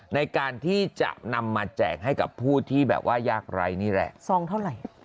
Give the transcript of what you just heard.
ในการที่จะนำมาแจกให้กับผู้ที่แบบว่ายากไรนี่แหละ